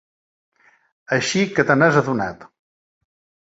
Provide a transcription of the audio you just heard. Així que te n"has adonat!